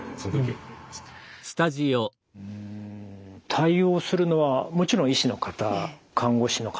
対応するのはもちろん医師の方看護師の方。